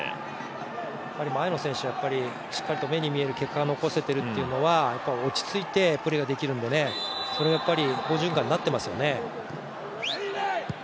前の選手、しっかりと目に見える結果が出せてるのは落ち着いてプレーができるので好循環になってますよね。